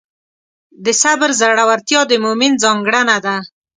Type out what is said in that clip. د صبر زړورتیا د مؤمن ځانګړنه ده.